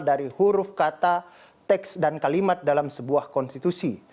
dari huruf kata teks dan kalimat dalam sebuah konstitusi